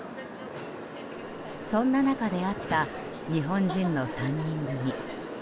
そんな中、出会った日本人の３人組。